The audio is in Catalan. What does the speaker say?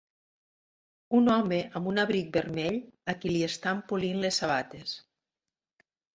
Un home amb un abric vermell a qui li estan polint les sabates.